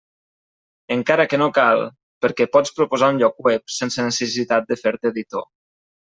Encara que no cal, perquè pots proposar un lloc web, sense necessitat de fer-te editor.